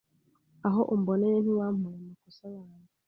Aho umboneye ntiwampoye amakosa yanjye